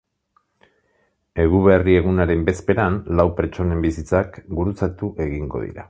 Eguberri-egunaren bezperan lau pertsonen bizitzak gurutzatu egingo dira.